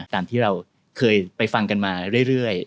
ตามที่เราเคยไปฟังกันมาเรื่อย